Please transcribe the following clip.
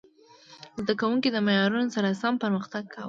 زده کوونکي د معیارونو سره سم پرمختګ کاوه.